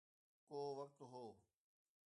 ڪو وقت هو